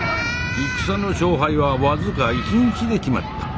戦の勝敗は僅か１日で決まった。